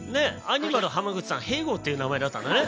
アニマル浜口さん「へいご」っていう名前だったんだね。